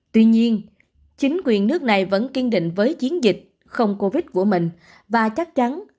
tuy nhiên chính quyền nước này vẫn kiên định với chiến dịch không covid của mình và chắc chắn